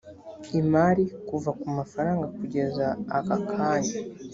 imari kuva ku mafaranga kugeza akakanya